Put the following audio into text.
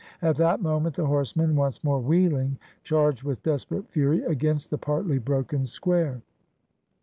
At that moment the horsemen, once more wheeling, charged with desperate fury against the partly broken square.